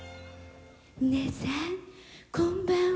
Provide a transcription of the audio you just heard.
皆さんこんばんは。